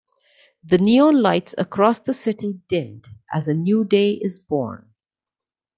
The neon lights across the city dimmed as a new day is born.